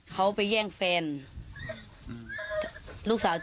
ก็ไม่รู้เหมือนกัน